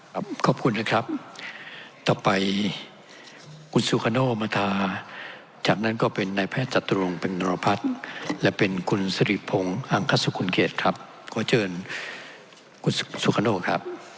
ครับขอบคุณครับต่อไปคุณสุฆโณมทาจากนั้นก็เป็นในแพทย์จัดตรวงเป็นนรพัฒน์และเป็นคุณสรีภงอังคัตสุขุนเกษครับขอเจอคุณสุฆโณครับ